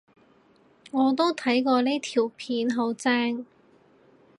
我都睇過呢條片，好正